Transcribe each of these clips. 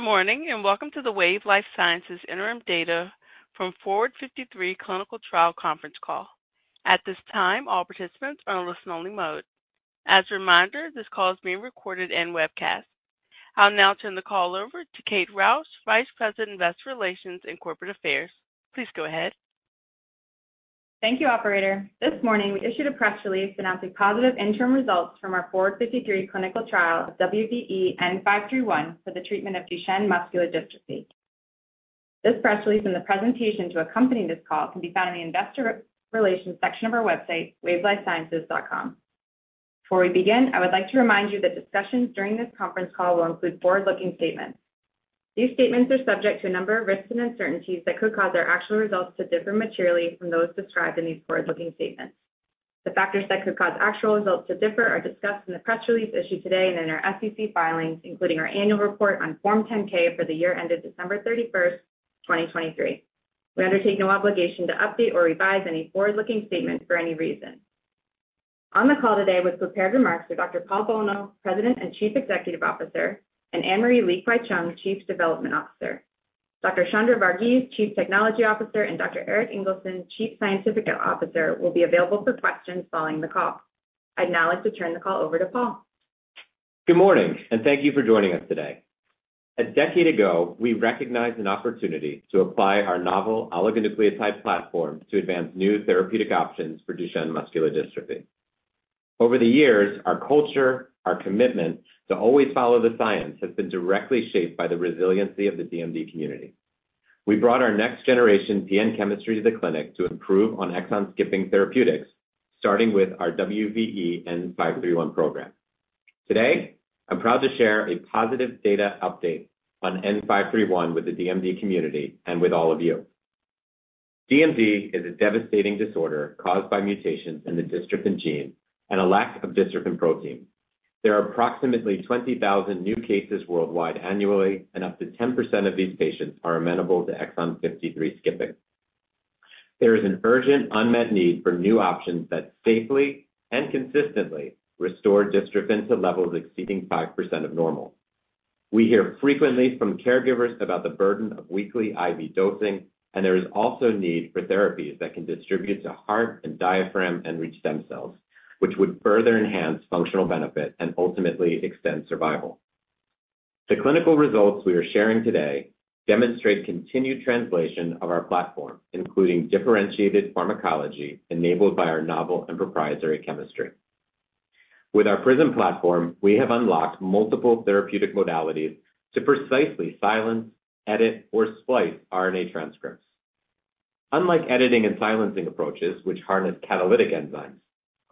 Good morning, and welcome to the Wave Life Sciences interim data from FORWARD-53 clinical trial conference call. At this time, all participants are on listen-only mode. As a reminder, this call is being recorded and webcast. I'll now turn the call over to Kate Rouse, Vice President, Investor Relations and Corporate Affairs. Please go ahead. Thank you, operator. This morning, we issued a press release announcing positive interim results from our FORWARD-53 clinical trial of WVE-N531 for the treatment of Duchenne muscular dystrophy. This press release and the presentation to accompany this call can be found in the investor relations section of our website, wavelifesciences.com. Before we begin, I would like to remind you that discussions during this conference call will include forward-looking statements. These statements are subject to a number of risks and uncertainties that could cause our actual results to differ materially from those described in these forward-looking statements. The factors that could cause actual results to differ are discussed in the press release issued today and in our SEC filings, including our annual report on Form 10-K for the year ended December thirty-first, 2023. We undertake no obligation to update or revise any forward-looking statements for any reason. On the call today with prepared remarks are Dr. Paul Bolno, President and Chief Executive Officer, and Anne-Marie Li-Kwai-Cheung, Chief Development Officer. Dr. Chandra Varghese, Chief Technology Officer, and Dr. Erik Ingelsson, Chief Scientific Officer, will be available for questions following the call. I'd now like to turn the call over to Paul. Good morning, and thank you for joining us today. A decade ago, we recognized an opportunity to apply our novel oligonucleotide platform to advance new therapeutic options for Duchenne muscular dystrophy. Over the years, our culture, our commitment to always follow the science, has been directly shaped by the resiliency of the DMD community. We brought our next generation PN chemistry to the clinic to improve on exon-skipping therapeutics, starting with our WVE-N531 program. Today, I'm proud to share a positive data update on N-531 with the DMD community and with all of you. DMD is a devastating disorder caused by mutations in the dystrophin gene and a lack of dystrophin protein. There are approximately 20,000 new cases worldwide annually, and up to 10% of these patients are amenable to Exon 53 skipping. There is an urgent, unmet need for new options that safely and consistently restore dystrophin to levels exceeding 5% of normal. We hear frequently from caregivers about the burden of weekly IV dosing, and there is also a need for therapies that can distribute to heart and diaphragm and reach stem cells, which would further enhance functional benefit and ultimately extend survival. The clinical results we are sharing today demonstrate continued translation of our platform, including differentiated pharmacology enabled by our novel and proprietary chemistry. With our PRISM platform, we have unlocked multiple therapeutic modalities to precisely silence, edit, or splice RNA transcripts. Unlike editing and silencing approaches, which harness catalytic enzymes,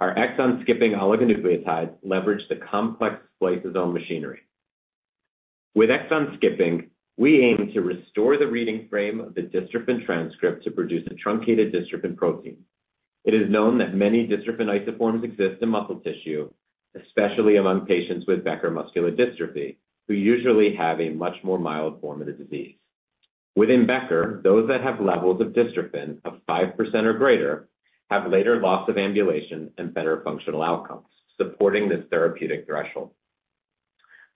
our exon-skipping oligonucleotides leverage the complex spliceosome machinery. With exon-skipping, we aim to restore the reading frame of the dystrophin transcript to produce a truncated dystrophin protein. It is known that many dystrophin isoforms exist in muscle tissue, especially among patients with Becker muscular dystrophy, who usually have a much more mild form of the disease. Within Becker, those that have levels of dystrophin of 5% or greater have later loss of ambulation and better functional outcomes, supporting this therapeutic threshold.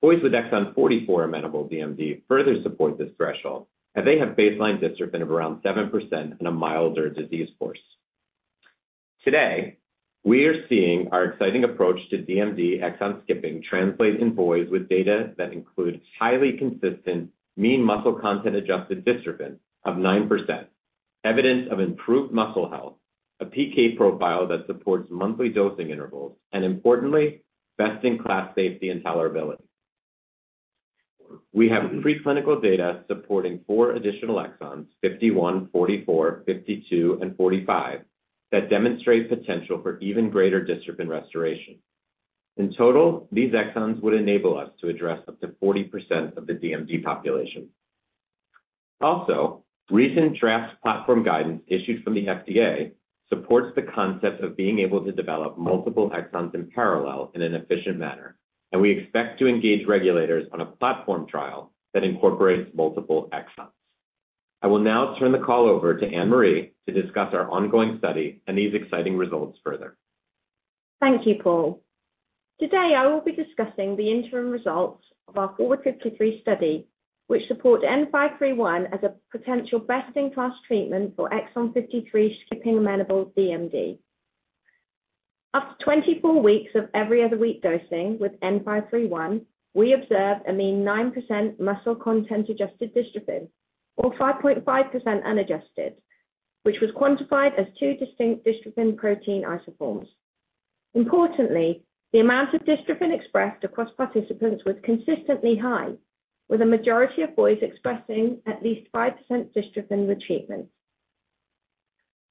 Boys with exon forty-four amenable DMD further support this threshold, and they have baseline dystrophin of around 7% and a milder disease course. Today, we are seeing our exciting approach to DMD exon skipping translate in boys with data that includes highly consistent mean muscle content-adjusted dystrophin of 9%, evidence of improved muscle health, a PK profile that supports monthly dosing intervals, and importantly, best-in-class safety and tolerability. We have preclinical data supporting four additional exons: fifty-one, forty-four, fifty-two, and forty-five, that demonstrate potential for even greater dystrophin restoration. In total, these exons would enable us to address up to 40% of the DMD population. Also, recent draft platform guidance issued from the FDA supports the concept of being able to develop multiple exons in parallel in an efficient manner, and we expect to engage regulators on a platform trial that incorporates multiple exons. I will now turn the call over to Anne-Marie to discuss our ongoing study and these exciting results further. Thank you, Paul. Today, I will be discussing the interim results of our FORWARD-53 study, which support WVE-N531 as a potential best-in-class treatment for Exon 53 skipping-amenable DMD. After 24 weeks of every other week dosing with WVE-N531, we observed a mean 9% muscle content-adjusted dystrophin, or 5.5% unadjusted, which was quantified as two distinct dystrophin protein isoforms. Importantly, the amount of dystrophin expressed across participants was consistently high, with a majority of boys expressing at least 5% dystrophin with treatment.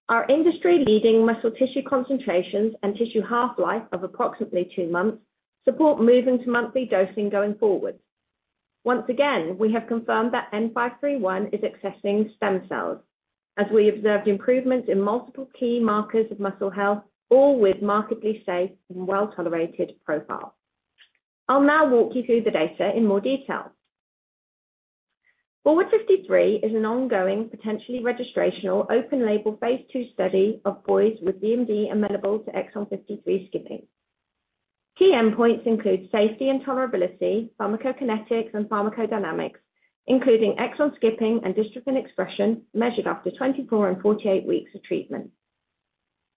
Our industry-leading muscle tissue concentrations and tissue half-life of approximately 2 months support moving to monthly dosing going forward. Once again, we have confirmed that WVE-N531 is accessing stem cells, as we observed improvements in multiple key markers of muscle health, all with markedly safe and well-tolerated profiles. I'll now walk you through the data in more detail. FORWARD-53 is an ongoing, potentially registrational, open-label, phase 2 study of boys with DMD amenable to Exon 53 skipping. Key endpoints include safety and tolerability, pharmacokinetics and pharmacodynamics, including exon skipping and dystrophin expression, measured after 24 and 48 weeks of treatment.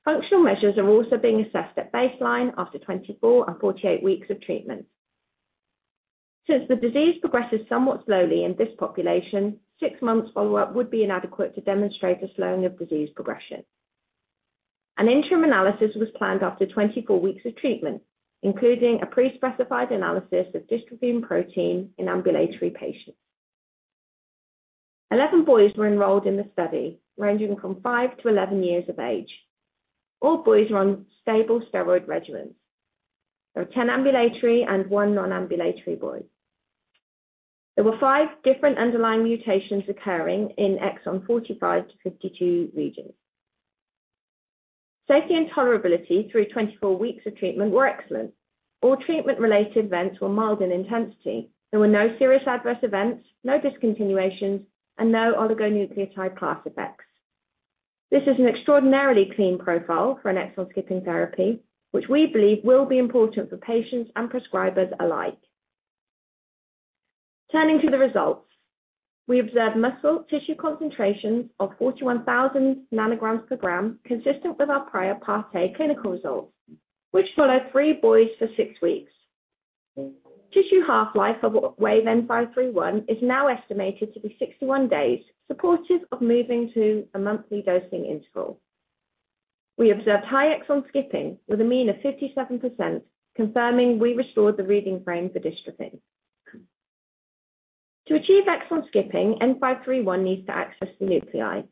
Functional measures are also being assessed at baseline after 24 and 48 weeks of treatment. Since the disease progresses somewhat slowly in this population, six months follow-up would be inadequate to demonstrate a slowing of disease progression. An interim analysis was planned after 24 weeks of treatment, including a pre-specified analysis of dystrophin protein in ambulatory patients. 11 boys were enrolled in the study, ranging from 5 to 11 years of age. All boys were on stable steroid regimens. There were 10 ambulatory and one non-ambulatory boy. There were 5 different underlying mutations occurring in exon 45-52 regions. Safety and tolerability through 24 weeks of treatment were excellent. All treatment-related events were mild in intensity. There were no serious adverse events, no discontinuations, and no oligonucleotide class effects. This is an extraordinarily clean profile for an exon skipping therapy, which we believe will be important for patients and prescribers alike. Turning to the results, we observed muscle tissue concentrations of 41,000 nanograms per gram, consistent with our prior Part A clinical results, which followed 3 boys for 6 weeks. Tissue half-life of WVE-N531 is now estimated to be 61 days, supportive of moving to a monthly dosing interval. We observed high exon skipping with a mean of 57%, confirming we restored the reading frame for dystrophin. To achieve exon skipping, WVE-N531 needs to access the nuclei.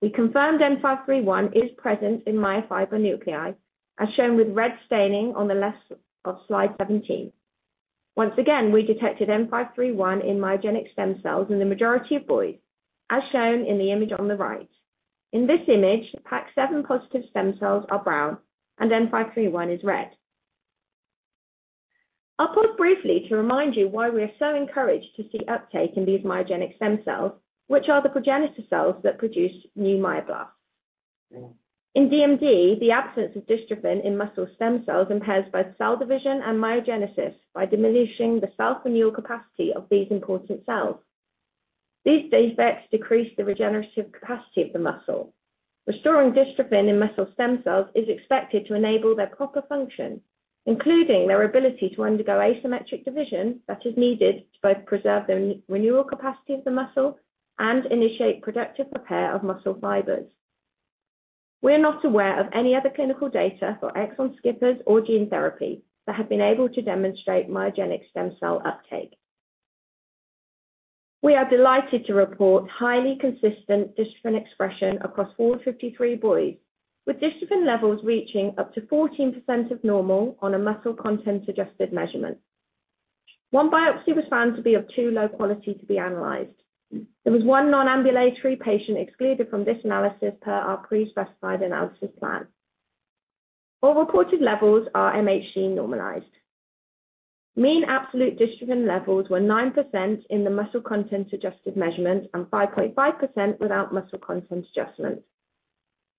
We confirmed WVE-N531 is present in myofiber nuclei, as shown with red staining on the left of slide 17. Once again, we detected WVE-N531 in myogenic stem cells in the majority of boys, as shown in the image on the right. In this image, PAX7 positive stem cells are brown and WVE-N531 is red. I'll pause briefly to remind you why we are so encouraged to see uptake in these myogenic stem cells, which are the progenitor cells that produce new myoblasts. In DMD, the absence of dystrophin in muscle stem cells impairs both cell division and myogenesis, by diminishing the self-renewal capacity of these important cells. These defects decrease the regenerative capacity of the muscle. Restoring dystrophin in muscle stem cells is expected to enable their proper function, including their ability to undergo asymmetric division that is needed to both preserve the renewal capacity of the muscle and initiate productive repair of muscle fibers. We're not aware of any other clinical data for exon skippers or gene therapy that have been able to demonstrate myogenic stem cell uptake. We are delighted to report highly consistent dystrophin expression across all Exon 53 boys, with dystrophin levels reaching up to 14% of normal on a muscle content adjusted measurement. One biopsy was found to be of too low quality to be analyzed. There was one non-ambulatory patient excluded from this analysis per our pre-specified analysis plan. All reported levels are MHC-normalized. Mean absolute dystrophin levels were 9% in the muscle content adjusted measurement, and 5.5% without muscle content adjustment.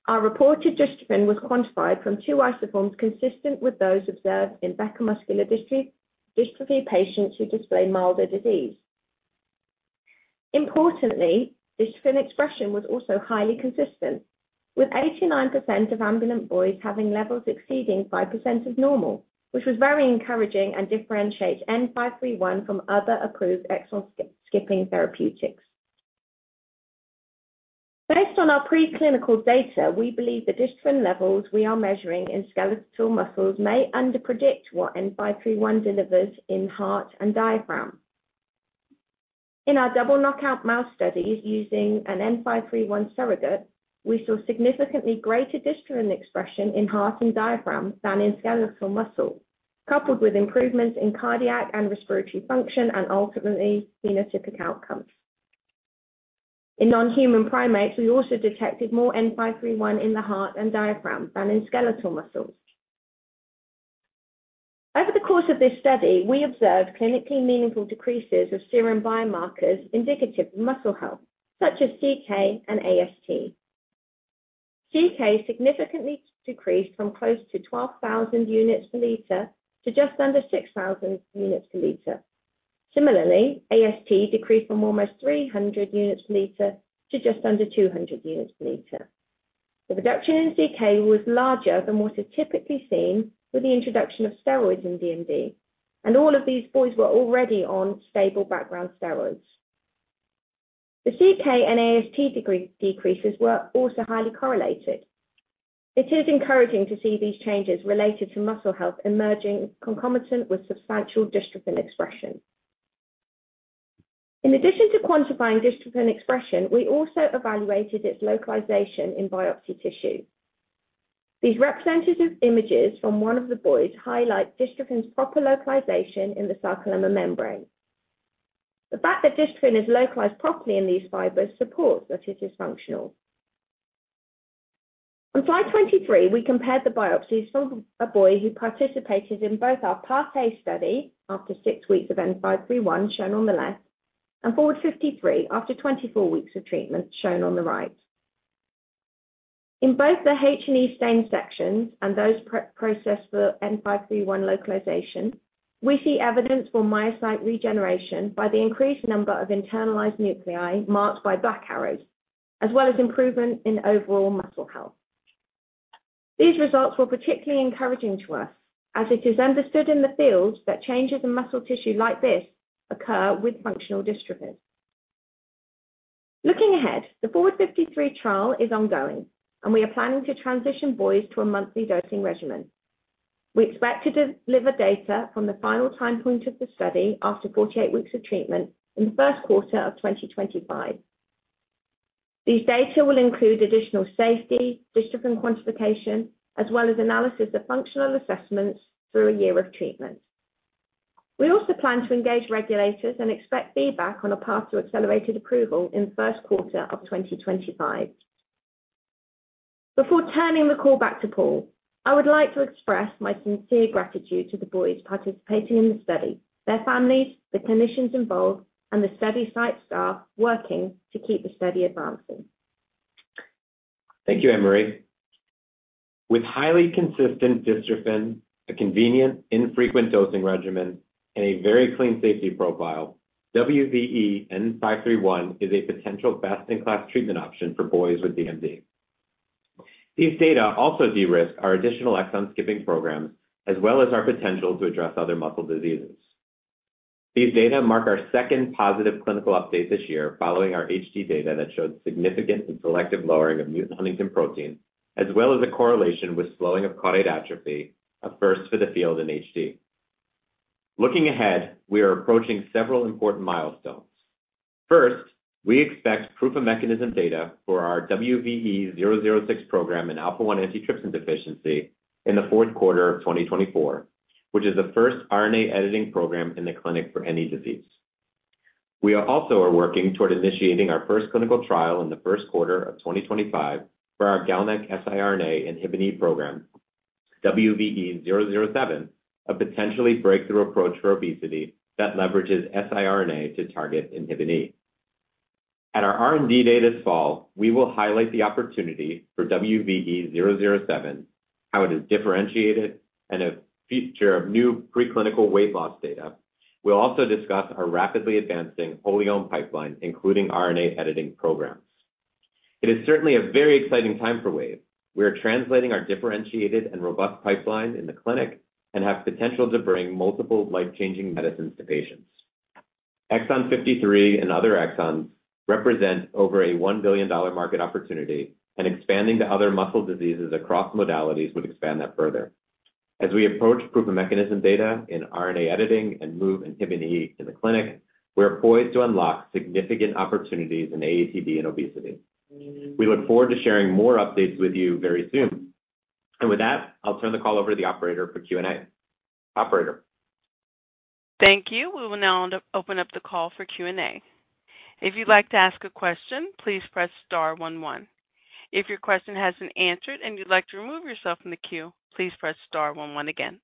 Our reported dystrophin was quantified from two isoforms, consistent with those observed in Becker muscular dystrophy patients who display milder disease. Importantly, dystrophin expression was also highly consistent, with 89% of ambulant boys having levels exceeding 5% of normal, which was very encouraging and differentiates N531 from other approved exon skipping therapeutics. Based on our preclinical data, we believe the dystrophin levels we are measuring in skeletal muscles may underpredict what N531 delivers in heart and diaphragm. In our double-knockout mouse studies using an N531 surrogate, we saw significantly greater dystrophin expression in heart and diaphragm than in skeletal muscle, coupled with improvements in cardiac and respiratory function and ultimately phenotypic outcomes. In non-human primates, we also detected more N531 in the heart and diaphragm than in skeletal muscles. Over the course of this study, we observed clinically meaningful decreases of serum biomarkers indicative of muscle health, such as CK and AST. CK significantly decreased from close to 12,000 units per liter to just under 6,000 units per liter. Similarly, AST decreased from almost 300 units per liter to just under 200 units per liter. The reduction in CK was larger than what is typically seen with the introduction of steroids in DMD, and all of these boys were already on stable background steroids. The CK and AST decreases were also highly correlated. It is encouraging to see these changes related to muscle health emerging concomitant with substantial dystrophin expression. In addition to quantifying dystrophin expression, we also evaluated its localization in biopsy tissue. These representative images from one of the boys highlight dystrophin's proper localization in the sarcolemma membrane. The fact that dystrophin is localized properly in these fibers supports that it is functional. On slide twenty-three, we compared the biopsies from a boy who participated in both our Part A study after six weeks of N531, shown on the left, and FORWARD-53 after twenty-four weeks of treatment, shown on the right. In both the H&E stained sections and those processed for N531 localization, we see evidence for myocyte regeneration by the increased number of internalized nuclei marked by black arrows, as well as improvement in overall muscle health. These results were particularly encouraging to us, as it is understood in the field that changes in muscle tissue like this occur with functional dystrophin. Looking ahead, the FORWARD-53 trial is ongoing, and we are planning to transition boys to a monthly dosing regimen. We expect to deliver data from the final time point of the study after 48 weeks of treatment in the first quarter of 2025. These data will include additional safety, dystrophin quantification, as well as analysis of functional assessments through a year of treatment. We also plan to engage regulators and expect feedback on a path to accelerated approval in the first quarter of 2025. Before turning the call back to Paul, I would like to express my sincere gratitude to the boys participating in the study, their families, the clinicians involved, and the study site staff working to keep the study advancing. Thank you, Anne-Marie. With highly consistent dystrophin, a convenient, infrequent dosing regimen, and a very clean safety profile, WVE-N531 is a potential best-in-class treatment option for boys with DMD. These data also de-risk our additional exon skipping programs, as well as our potential to address other muscle diseases. These data mark our second positive clinical update this year, following our HD data that showed significant and selective lowering of mutant Huntingtin protein, as well as a correlation with slowing of caudate atrophy, a first for the field in HD. Looking ahead, we are approaching several important milestones. First, we expect proof of mechanism data for our WVE-006 program in Alpha-1 antitrypsin deficiency in the fourth quarter of twenty twenty-four, which is the first RNA editing program in the clinic for any disease. We are also working toward initiating our first clinical trial in the first quarter of 2025 for our GalNAc siRNA Inhibin E program, WVE-007, a potentially breakthrough approach for obesity that leverages siRNA to target Inhibin E. At our R&D day this fall, we will highlight the opportunity for WVE-007, how it is differentiated, and a feature of new preclinical weight loss data. We'll also discuss our rapidly advancing PRISM pipeline, including RNA editing programs. It is certainly a very exciting time for Wave. We are translating our differentiated and robust pipeline in the clinic and have potential to bring multiple life-changing medicines to patients. Exon 53 and other exons represent over a $1 billion market opportunity, and expanding to other muscle diseases across modalities would expand that further. As we approach proof of mechanism data in RNA editing and move Inhibin E to the clinic, we are poised to unlock significant opportunities in AATD and obesity. We look forward to sharing more updates with you very soon. With that, I'll turn the call over to the operator for Q&A. Operator? Thank you. We will now open up the call for Q&A. If you'd like to ask a question, please press star one one. If your question has been answered and you'd like to remove yourself from the queue, please press star one one again.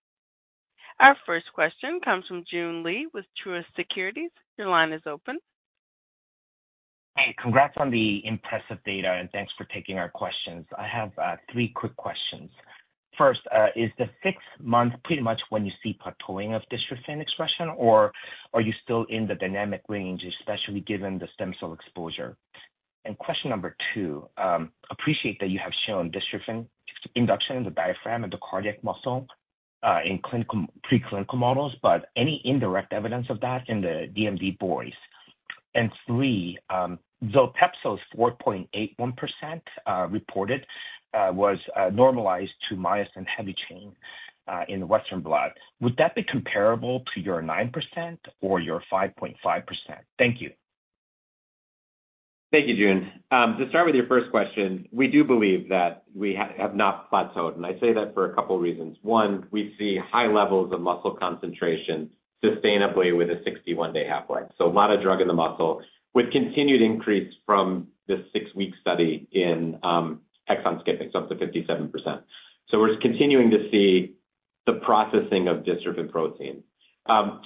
Our first question comes from Joon Lee with Truist Securities. Your line is open. Hey, congrats on the impressive data, and thanks for taking our questions. I have three quick questions. First, is the sixth month pretty much when you see plateauing of dystrophin expression, or are you still in the dynamic range, especially given the stem cell exposure? And question number two, appreciate that you have shown dystrophin induction in the diaphragm and the cardiac muscle in preclinical models, but any indirect evidence of that in the DMD boys? And three, Viltepso's 4.81% reported was normalized to myosin heavy chain in the western blot. Would that be comparable to your 9% or your 5.5%? Thank you. Thank you, June. To start with your first question, we do believe that we have not plateaued, and I say that for a couple reasons. One, we see high levels of muscle concentration sustainably with a sixty-one-day half-life, so a lot of drug in the muscle, with continued increase from the six-week study in exon skipping, so up to 57%. So we're continuing to see the processing of dystrophin protein.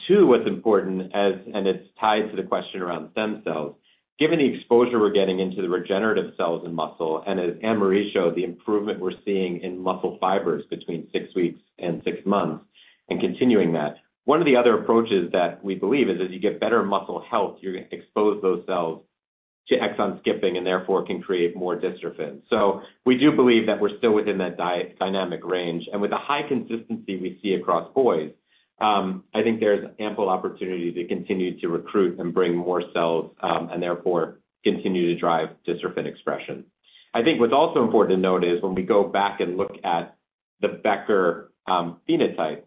Two, what's important, and it's tied to the question around stem cells, given the exposure we're getting into the regenerative cells and muscle, and as Anne-Marie showed, the improvement we're seeing in muscle fibers between six weeks and six months and continuing that, one of the other approaches that we believe is, as you get better muscle health, you're gonna expose those cells to exon skipping and therefore can create more dystrophin. So we do believe that we're still within that dynamic range. And with the high consistency we see across boys, I think there's ample opportunity to continue to recruit and bring more cells, and therefore continue to drive dystrophin expression. I think what's also important to note is when we go back and look at the Becker phenotype,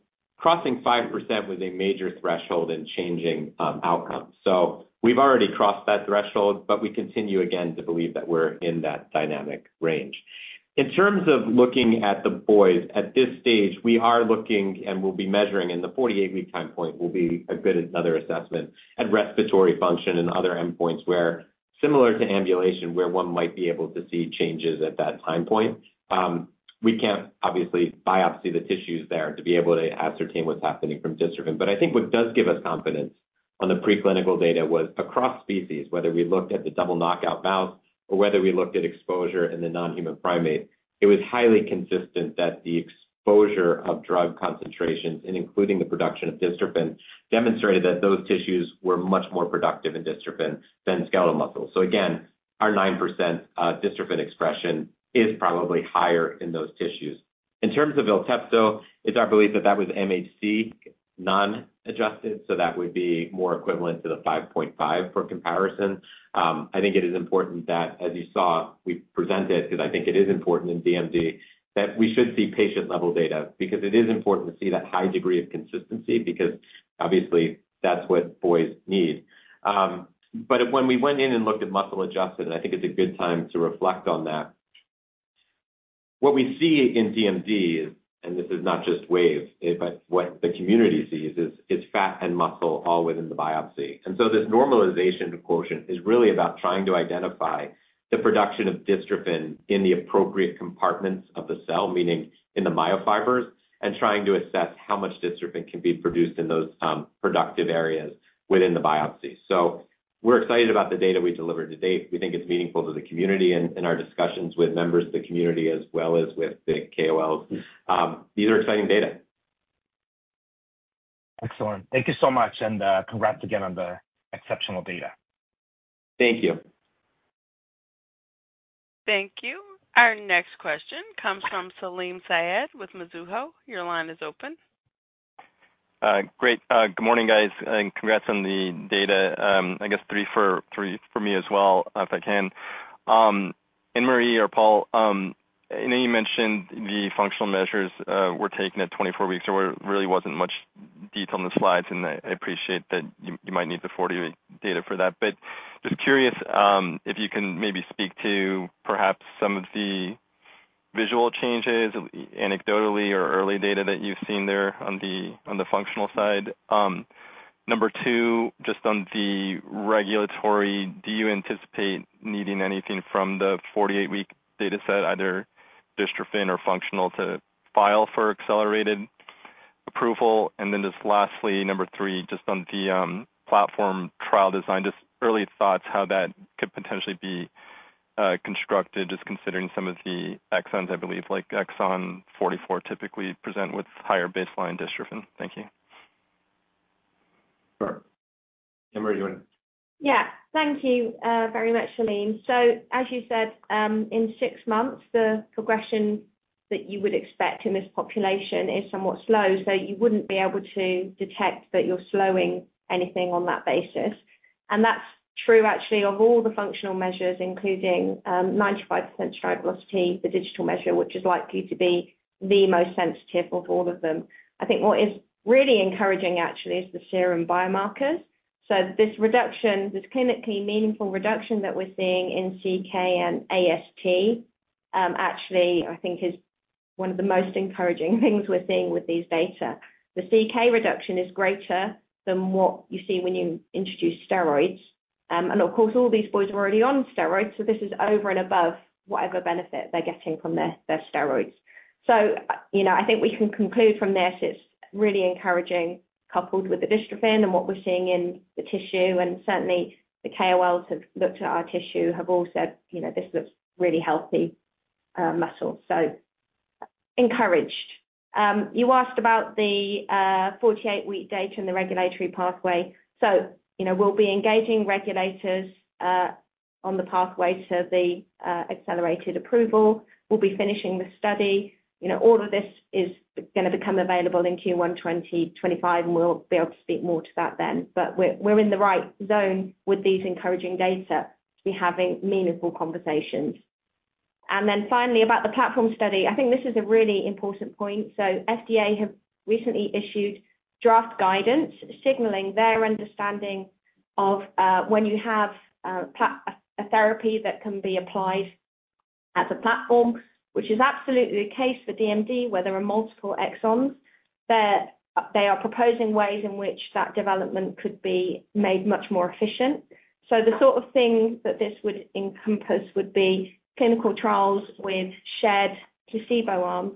crossing 5% was a major threshold in changing outcomes. So we've already crossed that threshold, but we continue, again, to believe that we're in that dynamic range. In terms of looking at the boys, at this stage, we are looking and will be measuring, and the 48-week time point will be a good another assessment at respiratory function and other endpoints, where similar to ambulation, where one might be able to see changes at that time point. We can't obviously biopsy the tissues there to be able to ascertain what's happening from dystrophin. But I think what does give us confidence on the preclinical data was across species, whether we looked at the double knockout mouse or whether we looked at exposure in the non-human primate, it was highly consistent that the exposure of drug concentrations, and including the production of dystrophin, demonstrated that those tissues were much more productive in dystrophin than skeletal muscle. So again, our 9% dystrophin expression is probably higher in those tissues. In terms of Viltepso, it's our belief that that was MHC non-adjusted, so that would be more equivalent to the 5.5 for comparison. I think it is important that, as you saw, we present it, because I think it is important in DMD, that we should see patient-level data, because it is important to see that high degree of consistency, because obviously, that's what boys need, but when we went in and looked at muscle-adjusted, I think it's a good time to reflect on that. What we see in DMD, and this is not just Wave, but what the community sees, is fat and muscle all within the biopsy, and so this normalization quotient is really about trying to identify the production of dystrophin in the appropriate compartments of the cell, meaning in the myofibers, and trying to assess how much dystrophin can be produced in those productive areas within the biopsy. So we're excited about the data we delivered to date. We think it's meaningful to the community and our discussions with members of the community as well as with the KOLs. These are exciting data. Excellent. Thank you so much, and, congrats again on the exceptional data. Thank you. Thank you. Our next question comes from Salim Syed with Mizuho. Your line is open. Great. Good morning, guys, and congrats on the data. I guess three for me as well, if I can. Anne-Marie or Paul, I know you mentioned the functional measures were taken at 24 weeks, so there really wasn't much detail on the slides, and I appreciate that you might need the 40-week data for that. But just curious, if you can maybe speak to perhaps some of the visual changes, anecdotally or early data that you've seen there on the functional side. Number two, just on the regulatory, do you anticipate needing anything from the 48-week data set, either dystrophin or functional, to file for accelerated approval? And then just lastly, number three, just on the platform trial design, just early thoughts how that could potentially be constructed, just considering some of the exons, I believe, like exon 44 typically present with higher baseline dystrophin. Thank you. Sure. Anne-Marie, go ahead. Yeah. Thank you, very much, Salim. So, as you said, in six months, the progression that you would expect in this population is somewhat slow, so you wouldn't be able to detect that you're slowing anything on that basis. And that's true, actually, of all the functional measures, including, 95th percentile stride velocity, the digital measure, which is likely to be the most sensitive of all of them. I think what is really encouraging, actually, is the serum biomarkers. So this reduction, this clinically meaningful reduction that we're seeing in CK and AST, actually, I think, is one of the most encouraging things we're seeing with these data. The CK reduction is greater than what you see when you introduce steroids. And of course, all these boys are already on steroids, so this is over and above whatever benefit they're getting from their steroids. So, you know, I think we can conclude from this, it's really encouraging, coupled with the dystrophin and what we're seeing in the tissue, and certainly the KOLs who have looked at our tissue have all said, "You know, this looks really healthy muscle." So encouraged. You asked about the 48-week data and the regulatory pathway. So, you know, we'll be engaging regulators on the pathway to the accelerated approval. We'll be finishing the study. You know, all of this is gonna become available in Q1 2025, and we'll be able to speak more to that then. But we're in the right zone with these encouraging data to be having meaningful conversations. And then finally, about the platform study, I think this is a really important point. So FDA have recently issued draft guidance, signaling their understanding of when you have a platform therapy that can be applied as a platform, which is absolutely the case for DMD, where there are multiple exons, that they are proposing ways in which that development could be made much more efficient, so the sort of things that this would encompass would be clinical trials with shared placebo arm.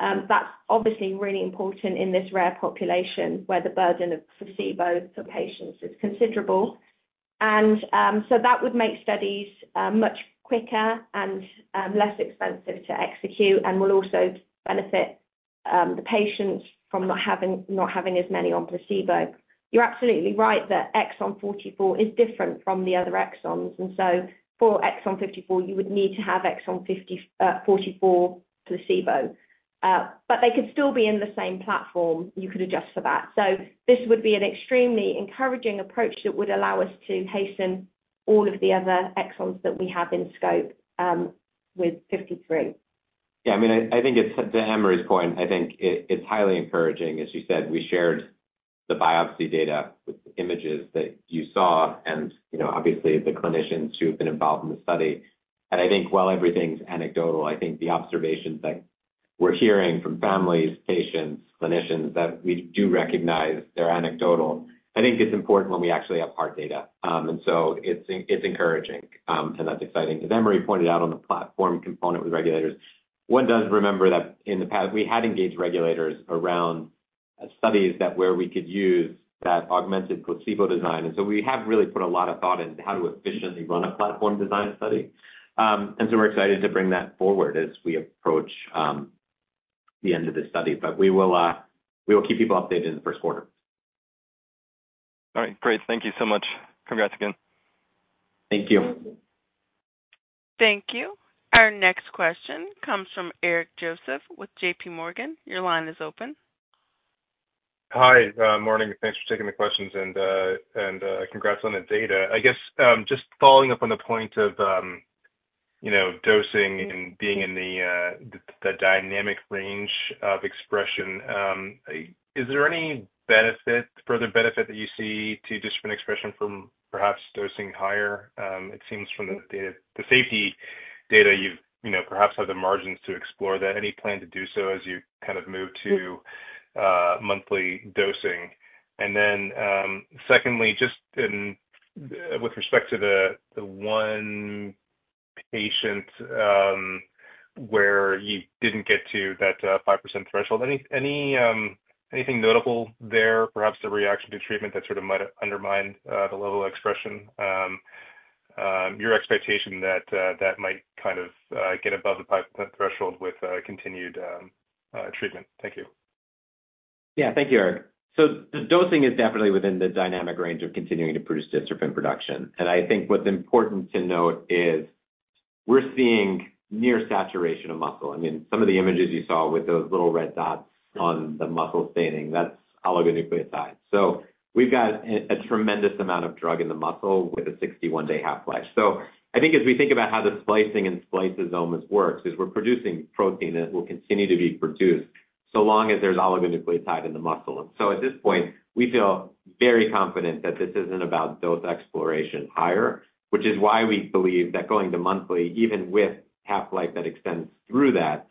That's obviously really important in this rare population, where the burden of placebo for patients is considerable, and so that would make studies much quicker and less expensive to execute and will also benefit the patients from not having as many on placebo. You're absolutely right that exon forty-four is different from the other exons, and so for exon fifty-four, you would need to have exon fifty, forty-four placebo. But they could still be in the same platform. You could adjust for that. So this would be an extremely encouraging approach that would allow us to hasten all of the other exons that we have in scope with 53. Yeah, I mean, I think it's to Anne-Marie's point, I think it's highly encouraging. As you said, we shared the biopsy data with the images that you saw and, you know, obviously, the clinicians who have been involved in the study. And I think while everything's anecdotal, I think the observations that we're hearing from families, patients, clinicians, that we do recognize they're anecdotal. I think it's important when we actually have hard data. And so it's encouraging, and that's exciting. As Anne-Marie pointed out on the platform component with regulators, one does remember that in the past, we had engaged regulators around studies where we could use that augmented placebo design. And so we have really put a lot of thought into how to efficiently run a platform design study. And so we're excited to bring that forward as we approach the end of this study. But we will keep people updated in the first quarter. All right, great. Thank you so much. Congrats again. Thank you. Thank you. Our next question comes from Eric Joseph with J.P. Morgan. Your line is open. Hi, morning, and thanks for taking the questions, and congrats on the data. I guess, just following up on the point of, you know, dosing and being in the dynamic range of expression, is there any benefit, further benefit that you see to dystrophin expression from perhaps dosing higher? It seems from the data, the safety data, you've, you know, perhaps have the margins to explore that. Any plan to do so as you kind of move to monthly dosing? And then, secondly, just in with respect to the one patient, where you didn't get to that 5% threshold, anything notable there, perhaps a reaction to treatment that sort of might undermine the level of expression? Your expectation that might kind of get above the 5% threshold with continued treatment. Thank you. Yeah. Thank you, Eric. So the dosing is definitely within the dynamic range of continuing to produce dystrophin production. And I think what's important to note is, we're seeing near saturation of muscle. I mean, some of the images you saw with those little red dots on the muscle staining, that's oligonucleotide. So we've got a tremendous amount of drug in the muscle with a 61-day half-life. So I think as we think about how the splicing and spliceosomes works, is we're producing protein, and it will continue to be produced so long as there's oligonucleotide in the muscle. And so at this point, we feel very confident that this isn't about dose exploration higher, which is why we believe that going to monthly, even with half-life that extends through that,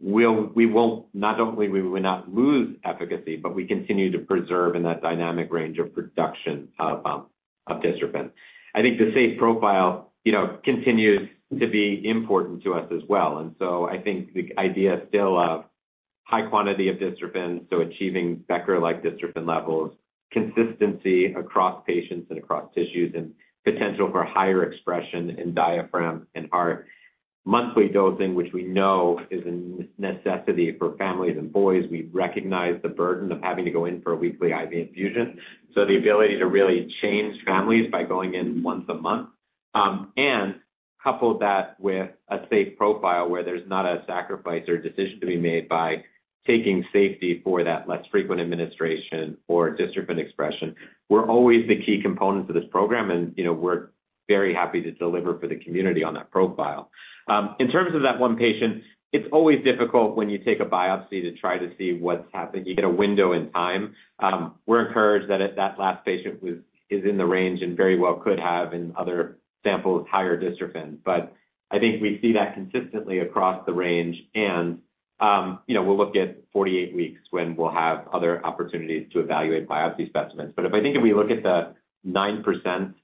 not only we will not lose efficacy, but we continue to preserve in that dynamic range of production of dystrophin. I think the safety profile, you know, continues to be important to us as well. And so I think the idea still of high quantity of dystrophin, so achieving Becker-like dystrophin levels, consistency across patients and across tissues, and potential for higher expression in diaphragm and heart. Monthly dosing, which we know is a necessity for families and boys. We recognize the burden of having to go in for a weekly IV infusion. The ability to really change families by going in once a month, and couple that with a safe profile where there's not a sacrifice or decision to be made by taking safety for that less frequent administration or dystrophin expression, were always the key components of this program. You know, we're very happy to deliver for the community on that profile. In terms of that one patient, it's always difficult when you take a biopsy to try to see what's happened. You get a window in time. We're encouraged that the last patient is in the range and very well could have in other samples, higher dystrophin. I think we see that consistently across the range. You know, we'll look at 48 weeks when we'll have other opportunities to evaluate biopsy specimens. But I think if we look at the 9%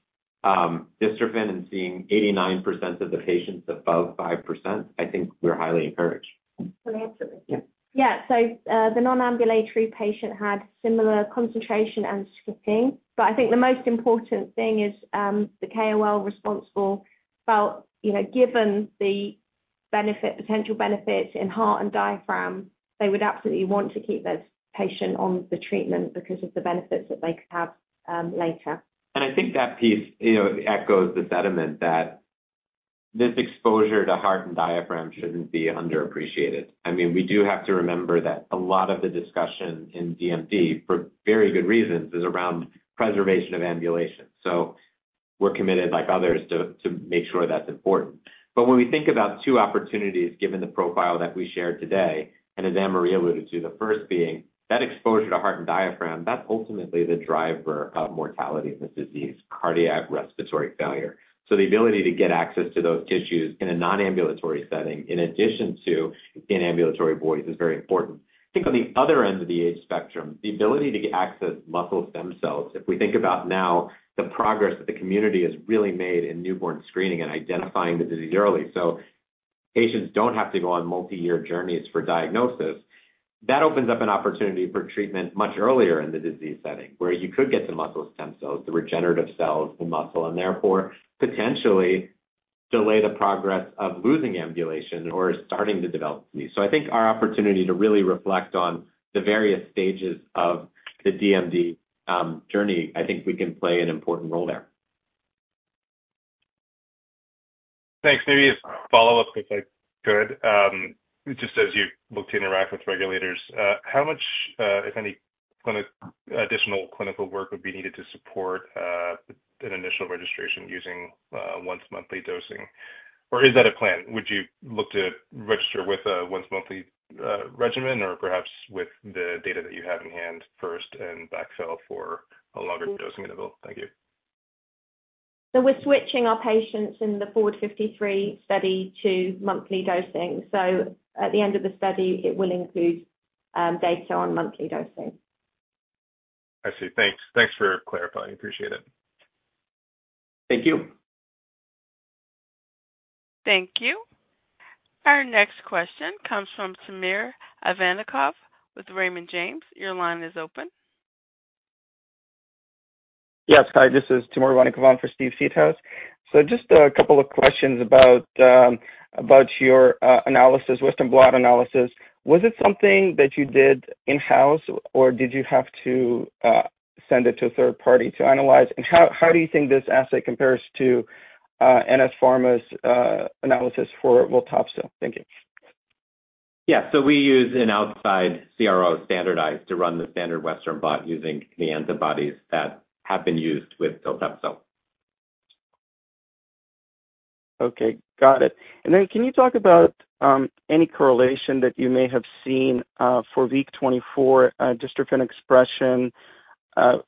dystrophin and seeing 89% of the patients above 5%, I think we're highly encouraged. Can I answer that? Yeah. Yeah. So, the non-ambulatory patient had similar concentration and skipping, but I think the most important thing is, the KOL responsible felt, you know, given the benefit, potential benefits in heart and diaphragm, they would absolutely want to keep this patient on the treatment because of the benefits that they could have, later. And I think that piece, you know, echoes the sentiment that this exposure to heart and diaphragm shouldn't be underappreciated. I mean, we do have to remember that a lot of the discussion in DMD, for very good reasons, is around preservation of ambulation. So we're committed, like others, to make sure that's important. But when we think about two opportunities, given the profile that we shared today, and as Anne-Marie alluded to, the first being that exposure to heart and diaphragm, that's ultimately the driver of mortality in this disease, cardiac, respiratory failure. So the ability to get access to those tissues in a non-ambulatory setting, in addition to in ambulatory boys, is very important. I think on the other end of the age spectrum, the ability to get access muscle stem cells, if we think about now, the progress that the community has really made in newborn screening and identifying the disease early, so patients don't have to go on multiyear journeys for diagnosis, that opens up an opportunity for treatment much earlier in the disease setting, where you could get the muscle stem cells, the regenerative cells, the muscle, and therefore, potentially delay the progress of losing ambulation or starting to develop disease. I think our opportunity to really reflect on the various stages of the DMD journey. I think we can play an important role there. Thanks. Maybe a follow-up, if I could. Just as you look to interact with regulators, how much, if any, additional clinical work would be needed to support an initial registration using once-monthly dosing? Or is that a plan? Would you look to register with a once-monthly regimen, or perhaps with the data that you have in hand first and backfill for a longer dosing interval? Thank you. So we're switching our patients in the FORWARD-53 study to monthly dosing. So at the end of the study, it will include data on monthly dosing. I see. Thanks. Thanks for clarifying. Appreciate it. Thank you. Thank you. Our next question comes from Timur Ivanikov with Raymond James. Your line is open. Yes, hi, this is Timur Ivanikov on for Steve Seedhouse. So just a couple of questions about your analysis, Western blot analysis. Was it something that you did in-house, or did you have to send it to a third party to analyze? And how do you think this assay compares to NS Pharma's analysis for viltolarsen? Thank you. Yeah, so we use an outside CRO standardized to run the standard Western blot using the antibodies that have been used with viltolarsen. Okay, got it. And then can you talk about any correlation that you may have seen for week twenty-four dystrophin expression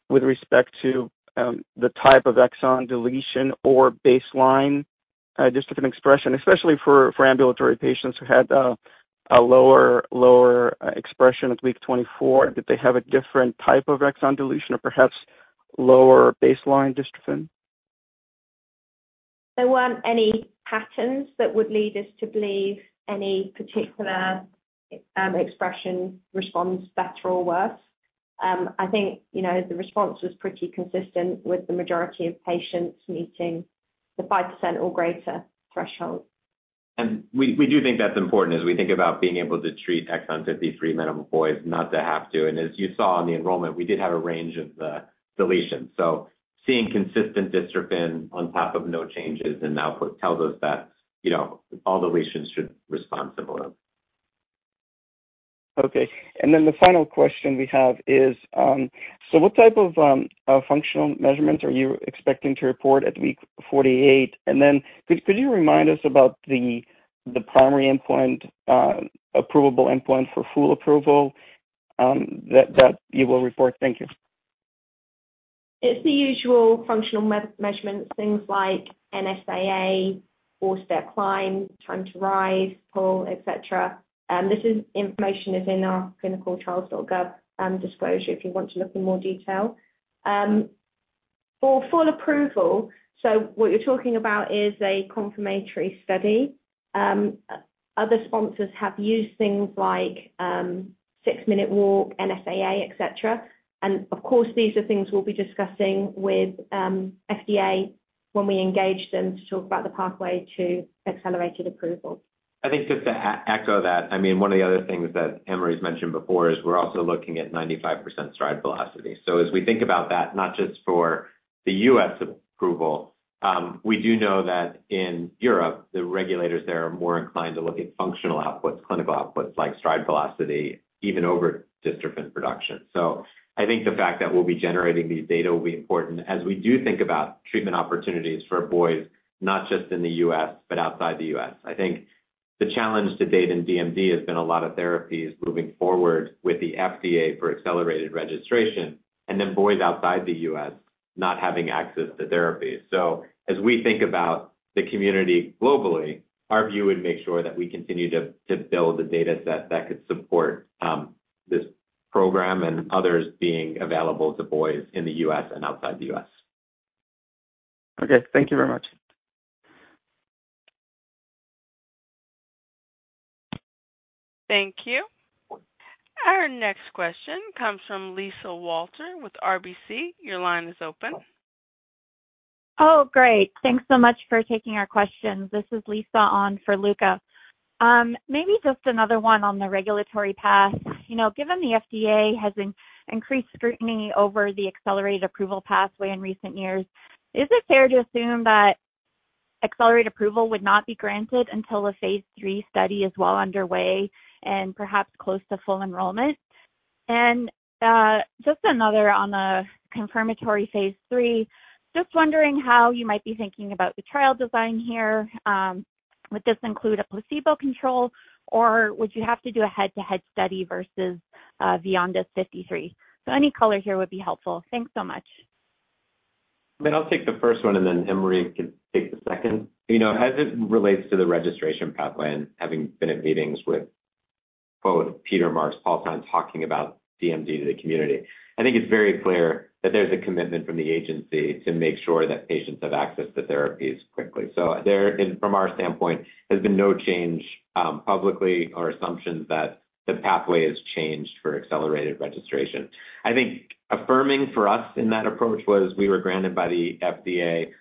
with respect to the type of exon deletion or baseline dystrophin expression, especially for ambulatory patients who had a lower expression at week twenty-four? Did they have a different type of exon deletion or perhaps lower baseline dystrophin? There weren't any patterns that would lead us to believe any particular expression responds better or worse. I think, you know, the response was pretty consistent with the majority of patients meeting the 5% or greater threshold. We do think that's important as we think about being able to treat Exon 53 amenable boys, not to have to. As you saw in the enrollment, we did have a range of deletions. Seeing consistent dystrophin on top of no changes in output tells us that, you know, all deletions should respond similarly. Okay. And then the final question we have is, so what type of functional measurements are you expecting to report at week 48? And then could you remind us about the primary endpoint, approvable endpoint for full approval, that you will report? Thank you. It's the usual functional measurements, things like NSAA, four-step climb, time to rise, pull, et cetera. This information is in our clinicaltrials.gov disclosure, if you want to look in more detail. For full approval, so what you're talking about is a confirmatory study. Other sponsors have used things like six-minute walk, NSAA, et cetera. And of course, these are things we'll be discussing with FDA when we engage them to talk about the pathway to accelerated approval. I think just to echo that, I mean, one of the other things that Anne-Marie's mentioned before is we're also looking at 95% stride velocity. So as we think about that, not just for the U.S. approval, we do know that in Europe, the regulators there are more inclined to look at functional outputs, clinical outputs like stride velocity, even over dystrophin production. So I think the fact that we'll be generating these data will be important as we do think about treatment opportunities for boys, not just in the U.S., but outside the U.S. I think the challenge to date in DMD has been a lot of therapies moving forward with the FDA for accelerated registration, and then boys outside the U.S. not having access to therapies. As we think about the community globally, our view would make sure that we continue to build a data set that could support this program and others being available to boys in the U.S. and outside the U.S. Okay, thank you very much. Thank you. Our next question comes from Lisa Walter with RBC. Your line is open. Oh, great. Thanks so much for taking our questions. This is Lisa on for Luca. Maybe just another one on the regulatory path. You know, given the FDA has increased scrutiny over the accelerated approval pathway in recent years, is it fair to assume that accelerated approval would not be granted until a phase III study is well underway and perhaps close to full enrollment? And just another on the confirmatory phase III. Just wondering how you might be thinking about the trial design here. Would this include a placebo control, or would you have to do a head-to-head study versus Vyondys 53? So any color here would be helpful. Thanks so much. I mean, I'll take the first one, and then Anne-Marie can take the second. You know, as it relates to the registration pathway, and having been at meetings with both Peter Marks and Paul, time talking about DMD to the community, I think it's very clear that there's a commitment from the agency to make sure that patients have access to therapies quickly. So, from our standpoint, there has been no change publicly or in assumptions that the pathway has changed for accelerated registration. I think affirming for us in that approach was we were granted by the FDA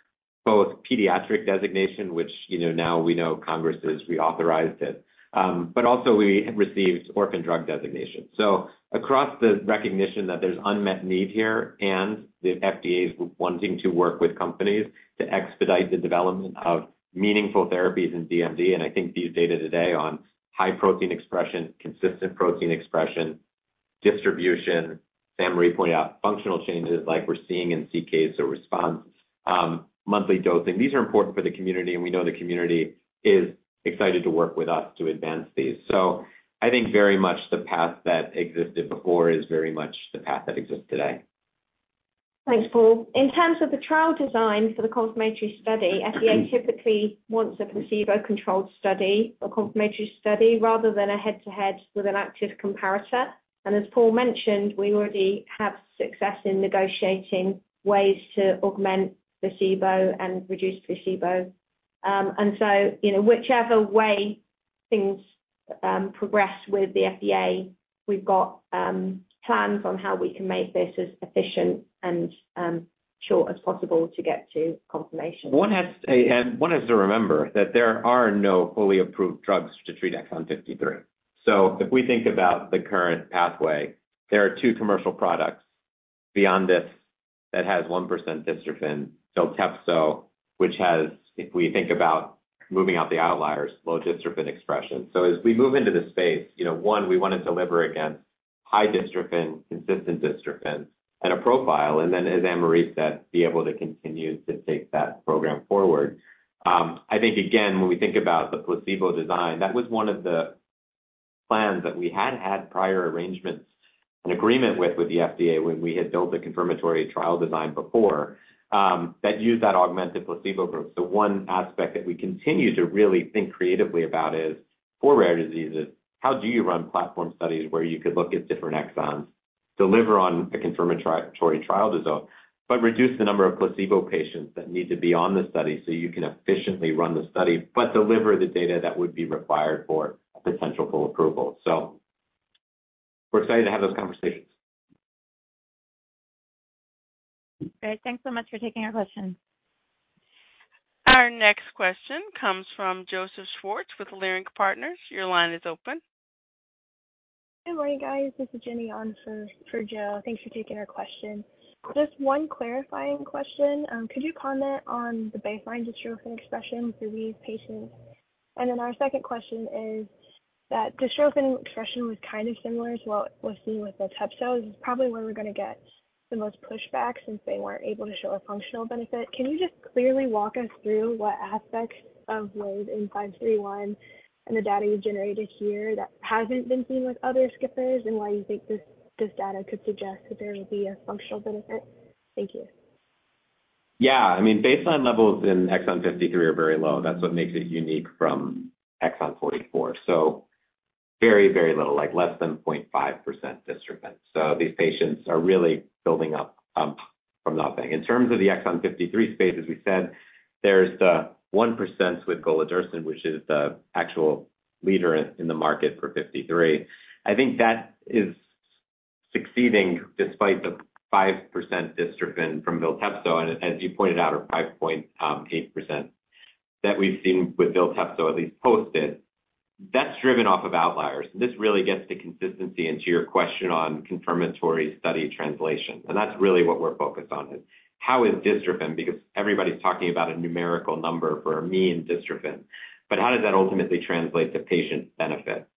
both pediatric designation, which, you know, now we know Congress has reauthorized it, but also we received orphan drug designation. So across the recognition that there's unmet need here and the FDA is wanting to work with companies to expedite the development of meaningful therapies in DMD, and I think these data today on high protein expression, consistent protein expression, distribution, Anne-Marie pointed out, functional changes like we're seeing in CK, so response, monthly dosing. These are important for the community, and we know the community is excited to work with us to advance these. So I think very much the path that existed before is very much the path that exists today. Thanks, Paul. In terms of the trial design for the confirmatory study, FDA typically wants a placebo-controlled study or confirmatory study rather than a head-to-head with an active comparator. And as Paul mentioned, we already have success in negotiating ways to augment placebo and reduce placebo. And so, you know, whichever way things, progress with the FDA, we've got, plans on how we can make this as efficient and, short as possible to get to confirmation. One has, and one has to remember that there are no fully approved drugs to treat Exon 53. So if we think about the current pathway, there are two commercial products Vyondys that has 1% dystrophin, Viltepso, which has, if we think about moving out the outliers, low dystrophin expression. So as we move into the space, you know, one, we want to deliver against high dystrophin, consistent dystrophin, and a profile, and then, as Anne-Marie said, be able to continue to take that program forward. I think, again, when we think about the placebo design, that was one of the plans that we had had prior arrangements and agreement with, with the FDA when we had built the confirmatory trial design before, that used that augmented placebo group. The one aspect that we continue to really think creatively about is for rare diseases, how do you run platform studies where you could look at different exons, deliver on a confirmatory trial result, but reduce the number of placebo patients that need to be on the study so you can efficiently run the study, but deliver the data that would be required for potential full approval? So we're excited to have those conversations. Great. Thanks so much for taking our question. Our next question comes from Joseph Schwartz with Leerink Partners. Your line is open. Good morning, guys. This is Jenny on for Joe. Thanks for taking our question. Just one clarifying question. Could you comment on the baseline dystrophin expression for these patients? And then our second question is that dystrophin expression was kind of similar as what was seen with the Viltepso, is probably where we're gonna get the most pushback since they weren't able to show a functional benefit. Can you just clearly walk us through what aspects of WVE-N531 and the data you generated here that hasn't been seen with other skippers, and why you think this data could suggest that there will be a functional benefit? Thank you. Yeah, I mean, baseline levels in Exon 53 are very low. That's what makes it unique from exon 44. So very, very little, like less than 0.5% dystrophin. So these patients are really building up from nothing. In terms of the Exon 53 space, as we said, there's the 1% with Golodirsen, which is the actual leader in the market for 53. I think that is succeeding despite the 5% dystrophin from Viltepso, and as you pointed out, a 5.8% that we've seen with Viltepso at least posted. That's driven off of outliers, and this really gets to consistency and to your question on confirmatory study translation, and that's really what we're focused on is how is dystrophin? Because everybody's talking about a numerical number for a mean dystrophin, but how does that ultimately translate to patient benefit?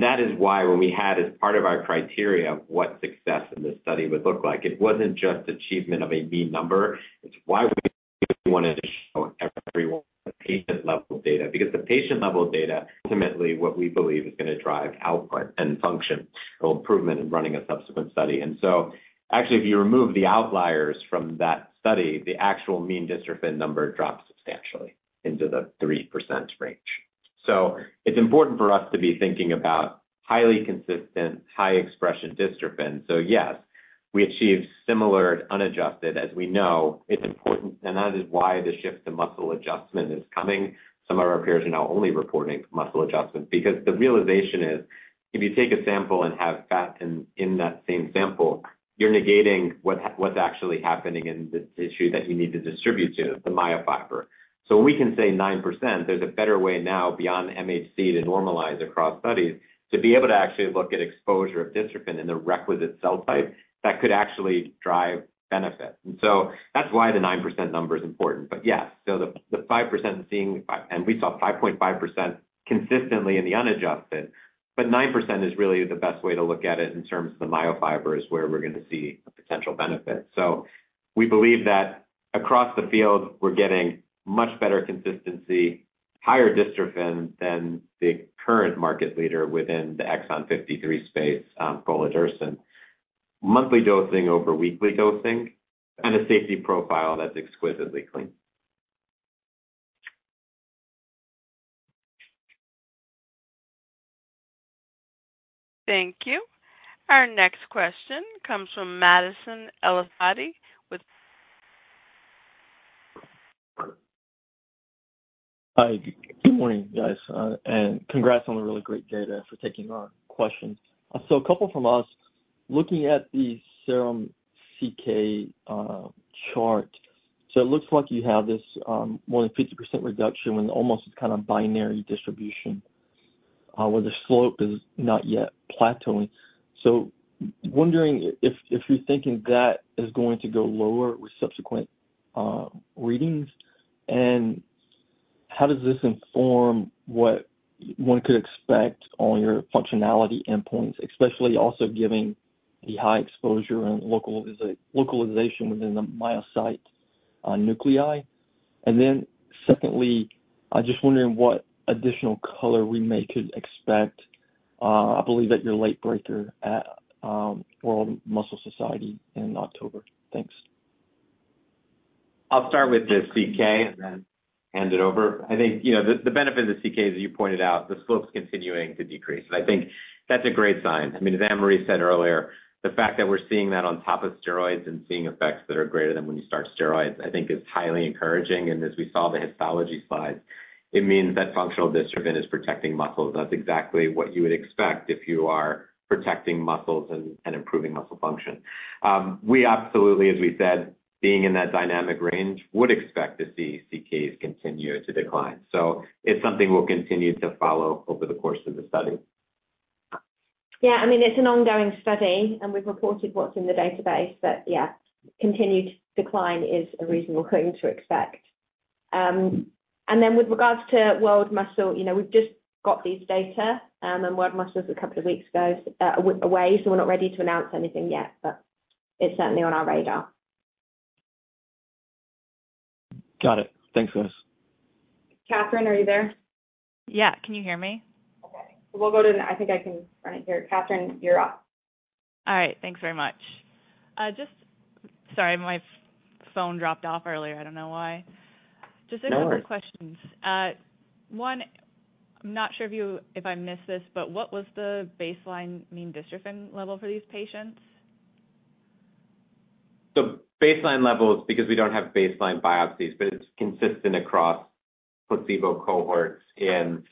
That is why, when we had as part of our criteria what success in this study would look like, it wasn't just achievement of a mean number. It's why we wanted to show everyone the patient-level data. Because the patient-level data, ultimately, what we believe is gonna drive output and functional improvement in running a subsequent study. Actually, if you remove the outliers from that study, the actual mean dystrophin number drops substantially into the 3% range. It's important for us to be thinking about highly consistent, high expression dystrophin. Yes, we achieved similar unadjusted. As we know, it's important, and that is why the shift to muscle adjustment is coming. Some of our peers are now only reporting muscle adjustment because the realization is if you take a sample and have fat in that same sample, you're negating what's actually happening in this tissue that you need to distribute to, the myofiber. So when we can say 9%, there's a better way now beyond MHC to normalize across studies to be able to actually look at exposure of dystrophin in the requisite cell type that could actually drive benefit. And so that's why the 9% number is important. But yes, so the 5% seeing and we saw 5.5% consistently in the unadjusted, but 9% is really the best way to look at it in terms of the myofibers, where we're going to see a potential benefit. So we believe that across the field, we're getting much better consistency, higher dystrophin than the current market leader within the Exon 53 space, Golodirsen, monthly dosing over weekly dosing, and a safety profile that's exquisitely clean. Thank you. Our next question comes from. Hi, good morning, guys, and congrats on the really great data. Thanks for taking our questions. So a couple from us. Looking at the serum CK chart, so it looks like you have this more than 50% reduction in almost kind of binary distribution, where the slope is not yet plateauing. So wondering if you're thinking that is going to go lower with subsequent readings, and how does this inform what one could expect on your functionality endpoints, especially also giving the high exposure and localization within the myocyte on nuclei? And then secondly, I just wondering what additional color we may could expect, I believe, at your late breaker at World Muscle Society in October. Thanks. I'll start with the CK and then hand it over. I think, you know, the, the benefit of the CK, as you pointed out, the slope's continuing to decrease. I think that's a great sign. I mean, as Anne-Marie said earlier, the fact that we're seeing that on top of steroids and seeing effects that are greater than when you start steroids, I think is highly encouraging. And as we saw the histology slides, it means that functional dystrophin is protecting muscles. That's exactly what you would expect if you are protecting muscles and improving muscle function. We absolutely, as we said, being in that dynamic range, would expect to see CKs continue to decline. So it's something we'll continue to follow over the course of the study. Yeah, I mean, it's an ongoing study, and we've reported what's in the database, but, yeah, continued decline is a reasonable thing to expect. And then with regards to World Muscle, you know, we've just got these data, and World Muscle is a couple of weeks away, so we're not ready to announce anything yet, but it's certainly on our radar. Got it. Thanks, guys. Catherine, are you there? Yeah. Can you hear me? Okay. We'll go to the I think I can run it here. Catherine, you're up. All right. Thanks very much. Sorry, my phone dropped off earlier. I don't know why. Just a couple of questions. One, I'm not sure if I missed this, but what was the baseline mean dystrophin level for these patients? The baseline levels, because we don't have baseline biopsies, but it's consistent across placebo cohorts in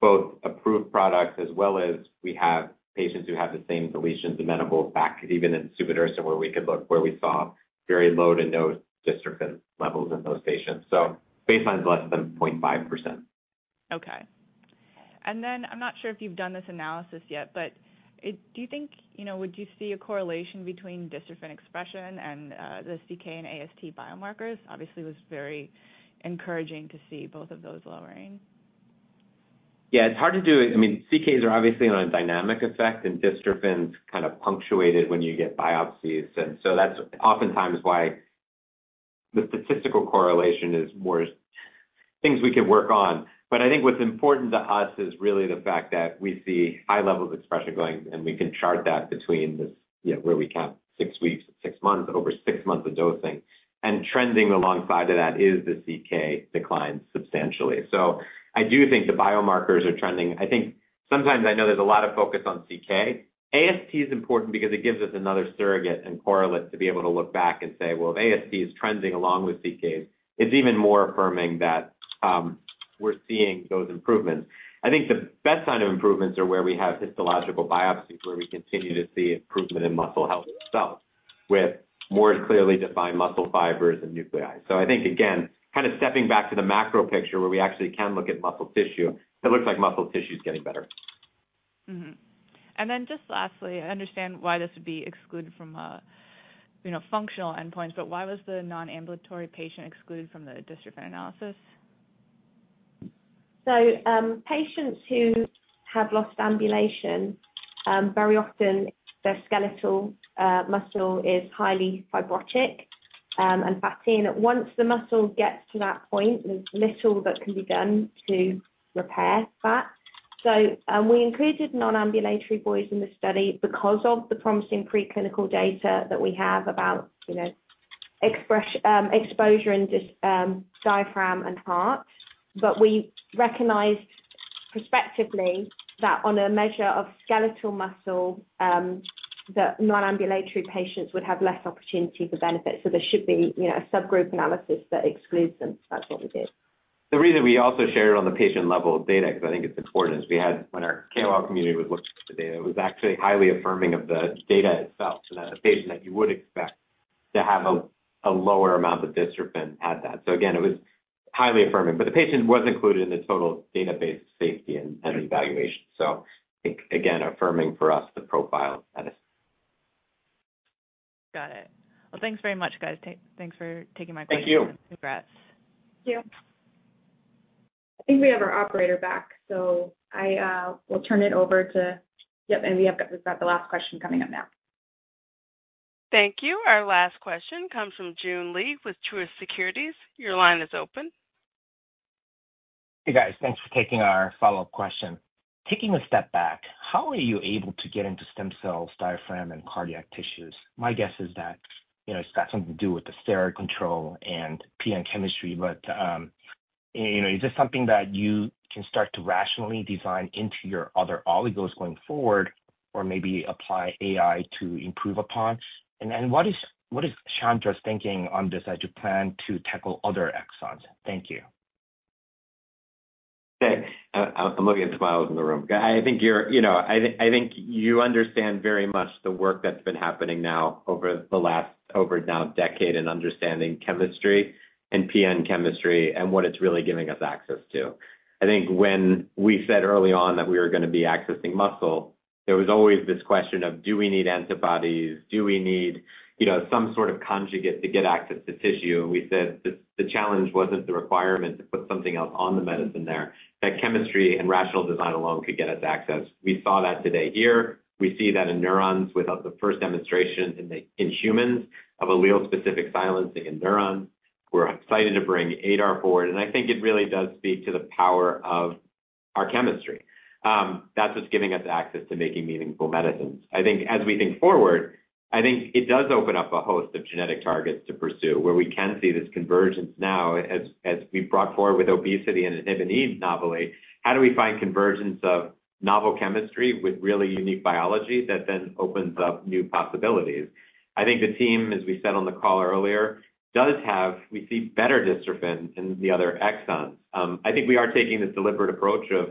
both approved products, as well as we have patients who have the same deletions, amenable back, even in suvodirsen, where we could look, where we saw very low to no dystrophin levels in those patients. So baseline is less than 0.5%. Okay. And then I'm not sure if you've done this analysis yet, but do you think, you know, would you see a correlation between dystrophin expression and the CK and AST biomarkers? Obviously, it was very encouraging to see both of those lowering. Yeah, it's hard to do it. I mean, CKs are obviously on a dynamic effect, and dystrophin's kind of punctuated when you get biopsies, and so that's oftentimes why the statistical correlation is more things we could work on, but I think what's important to us is really the fact that we see high levels of expression going, and we can chart that between this, you know, where we count six weeks and six months, over six months of dosing, and trending alongside of that is the CK declines substantially, so I do think the biomarkers are trending. I think sometimes I know there's a lot of focus on CK. AST is important because it gives us another surrogate and correlate to be able to look back and say, "Well, if AST is trending along with CK, it's even more affirming that, we're seeing those improvements." I think the best sign of improvements are where we have histological biopsies, where we continue to see improvement in muscle health itself, with more clearly defined muscle fibers and nuclei. So I think, again, kind of stepping back to the macro picture, where we actually can look at muscle tissue, it looks like muscle tissue is getting better. And then just lastly, I understand why this would be excluded from a, you know, functional endpoint, but why was the non-ambulatory patient excluded from the dystrophin analysis? So, patients who have lost ambulation, very often their skeletal muscle is highly fibrotic, and fatty. And once the muscle gets to that point, there's little that can be done to repair that. So, we included non-ambulatory boys in the study because of the promising preclinical data that we have about, you know, exposure in diaphragm and heart. But we recognized prospectively that on a measure of skeletal muscle, the non-ambulatory patients would have less opportunity for benefit. So there should be, you know, a subgroup analysis that excludes them. That's what we did. The reason we also shared it on the patient-level data, because I think it's important, is we had. When our KOL community would look at the data, it was actually highly affirming of the data itself, so that a patient that you would expect to have a lower amount of dystrophin had that. So again, it was highly affirming, but the patient was included in the total database, safety and evaluation. So again, affirming for us the profile at it. Got it. Well, thanks very much, guys. Thanks for taking my question. Thank you. Congrats. Thank you. I think we have our operator back, so I will turn it over to Yep, and we have got the last question coming up now. Thank you. Our last question comes from Joon Lee with Truist Securities. Your line is open. Hey, guys. Thanks for taking our follow-up question. Taking a step back, how are you able to get into stem cells, diaphragm, and cardiac tissues? My guess is that, you know, it's got something to do with the steroid control and PN chemistry. But, you know, is this something that you can start to rationally design into your other oligos going forward or maybe apply AI to improve upon? And then what is, what is Chandra's thinking on this as you plan to tackle other exons? Thank you. Hey, I'm looking at the smiles in the room. I think you understand very much the work that's been happening now over the last decade in understanding chemistry and PN chemistry and what it's really giving us access to. I think when we said early on that we were gonna be accessing muscle, there was always this question of: Do we need antibodies? Do we need some sort of conjugate to get access to tissue? And we said the challenge wasn't the requirement to put something else on the medicine there, that chemistry and rational design alone could get us access. We saw that today here. We see that in neurons with the first demonstration in humans of allele-specific silencing in neurons. We're excited to bring ADAR-based, and I think it really does speak to the power of our chemistry. That's what's giving us access to making meaningful medicines. I think as we think forward, I think it does open up a host of genetic targets to pursue, where we can see this convergence now, as, as we brought forward with obesity and INHBE novelly, how do we find convergence of novel chemistry with really unique biology that then opens up new possibilities? I think the team, as we said on the call earlier, does have. We see better dystrophin in the other exons. I think we are taking this deliberate approach of,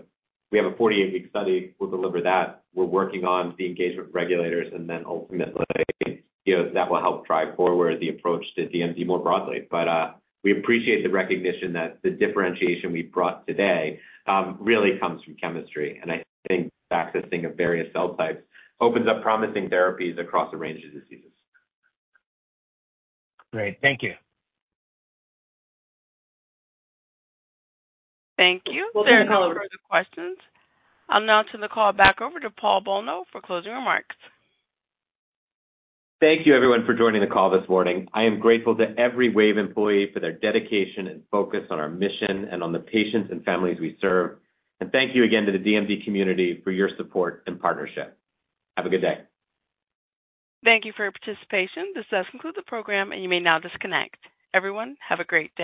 we have a 48-week study, we'll deliver that. We're working on the engagement with regulators, and then ultimately, you know, that will help drive forward the approach to DMD more broadly. But, we appreciate the recognition that the differentiation we've brought today, really comes from chemistry. And I think the accessing of various cell types opens up promising therapies across a range of diseases. Great. Thank you. Thank you. There are no further questions. I'll now turn the call back over to Paul Bolno for closing remarks. Thank you, everyone, for joining the call this morning. I am grateful to every Wave employee for their dedication and focus on our mission and on the patients and families we serve, and thank you again to the DMD community for your support and partnership. Have a good day. Thank you for your participation. This does conclude the program, and you may now disconnect. Everyone, have a great day.